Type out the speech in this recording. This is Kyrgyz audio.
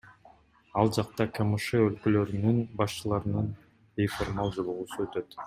Ал жакта КМШ өлкөлөрүнүн башчыларынын бейформал жолугушуусу өтөт.